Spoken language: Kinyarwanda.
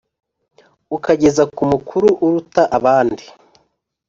ukageza ku mukuru uruta abandi